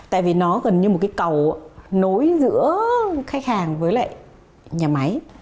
tại vì nó gần như một cái cầu nối giữa khách hàng với lại nhà máy